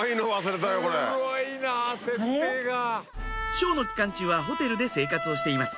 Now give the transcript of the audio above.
ショーの期間中はホテルで生活をしています